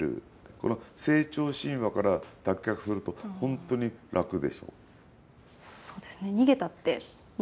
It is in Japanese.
この成長神話から脱却すると本当に楽でしょう？